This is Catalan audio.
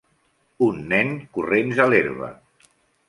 Un nen corrents a l'herba